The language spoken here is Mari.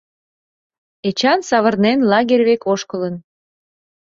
Эчан, савырнен, лагерь век ошкылын.